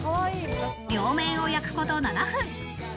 両面を焼くこと７分。